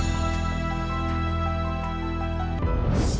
สำเร็จหรือไม่ได้